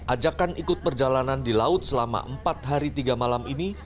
ajakan ikut perjalanan di laut selama empat hari tiga malam ini